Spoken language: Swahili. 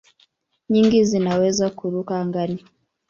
Nyingi zinaweza kuruka angani.